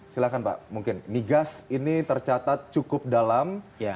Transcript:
silahkan pak mungkin migas ini tercatat cukup dalam